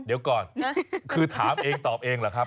เดี๋ยวก่อนคือถามเองตอบเองเหรอครับ